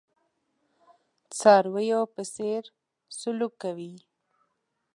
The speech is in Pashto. څارویو په څېر سلوک کوي.